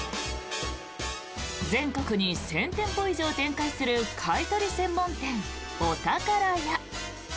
全国に１０００店舗以上展開する買い取り専門店、おたからや。